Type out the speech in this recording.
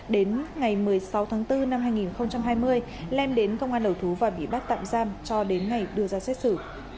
đến ngày một mươi sáu tháng bốn năm hai nghìn hai mươi lem đến công an đầu thú và bị bắt tạm giam cho đến ngày đưa ra xét xử